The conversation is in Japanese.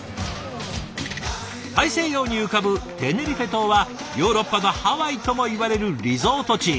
大西洋に浮かぶテネリフェ島はヨーロッパのハワイともいわれるリゾート地。